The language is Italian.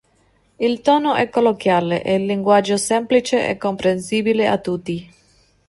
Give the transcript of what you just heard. Il tono è colloquiale e il linguaggio semplice e comprensibile a tutti.